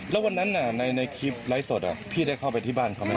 แล้ววันนั้นในคลิปไลฟ์สดพี่ได้เข้าไปที่บ้านเขาไหม